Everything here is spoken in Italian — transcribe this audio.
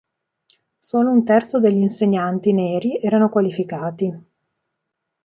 Solo un terzo degli insegnanti neri erano qualificati.